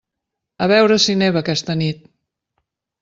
A veure si neva aquesta nit.